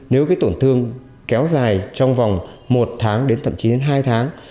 nếu cái tổn thương kéo dài trong vòng một tháng đến thậm chí đến hai tháng